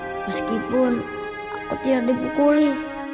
meskipun aku tidak dipukuli